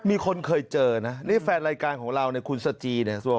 มีคนเคยเจอนะนี่แฟนรายการของเราเนี่ยคุณสจีเนี่ย